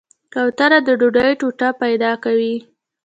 کوتره د ډوډۍ ټوټه پیدا کوي.